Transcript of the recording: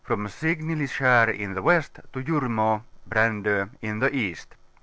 from Signildskar in the west to Jurmo (Brando) in the east.